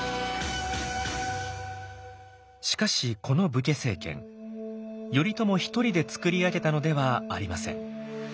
しかしこの武家政権頼朝一人で作り上げたのではありません。